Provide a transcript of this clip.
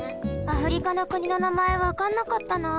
アフリカのくにのなまえわかんなかったな。